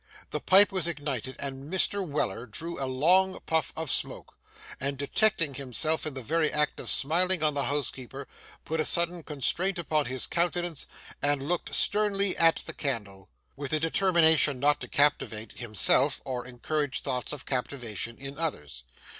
The pipe was ignited, Mr. Weller drew a long puff of smoke, and detecting himself in the very act of smiling on the housekeeper, put a sudden constraint upon his countenance and looked sternly at the candle, with a determination not to captivate, himself, or encourage thoughts of captivation in others.